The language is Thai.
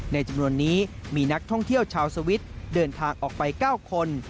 จำนวนนี้มีนักท่องเที่ยวชาวสวิตช์เดินทางออกไป๙คน